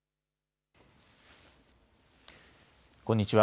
こんにちは。